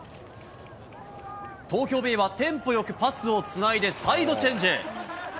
東京ベイはテンポよくパスをつないでサイドチェンジ。